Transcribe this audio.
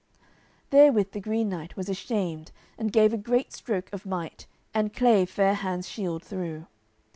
Therewith the Green Knight was ashamed, and gave a great stroke of might, and clave Fair hands' shield through.